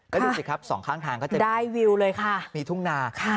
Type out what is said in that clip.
ก็ดูสิครับสองข้างทางก็จะได้วิวเลยค่ะมีทุ่งนา